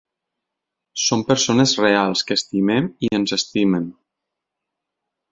Som persones reals que estimem i ens estimen.